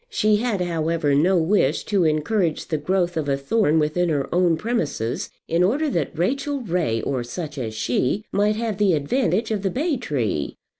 She had, however, no wish to encourage the growth of a thorn within her own premises, in order that Rachel Ray, or such as she, might have the advantage of the bay tree.